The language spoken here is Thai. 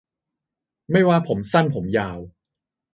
ไม่ว่าผมสั้นผมยาว